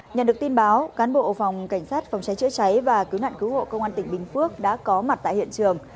nhận được tin báo cán bộ phòng cảnh sát phòng cháy chữa cháy và cứu nạn cứu hộ công an tỉnh bình phước đã có mặt tại hiện trường